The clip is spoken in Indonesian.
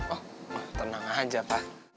oh tenang aja pak